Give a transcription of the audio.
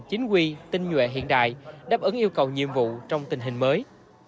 chính quy tinh nhuệ hiện đại đáp ứng yêu cầu nhiệm vụ trong tình hình mới